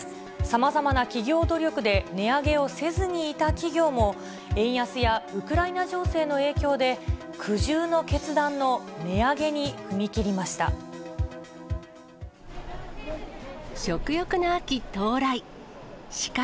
さまざまな企業努力で値上げをせずにいた企業も、円安やウクライナ情勢の影響で、苦渋の決断の値上げに踏み切りました。